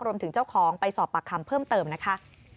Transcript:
รวมถึงเจ้าของไปสอบปากคำเพิ่มเติมนะคะ